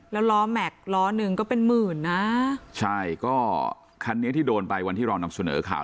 แล้วล้อแม็กซ์ล้อหนึ่งก็เป็นหมื่นนะใช่ก็คันนี้ที่โดนไปวันที่เรานำเสนอข่าว